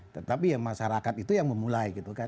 tetapi ya masyarakat itu yang memulai gitu kan